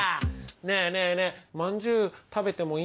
ねえねえねえまんじゅう食べてもいい？